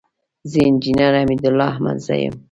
زه انجينر حميدالله احمدزى يم.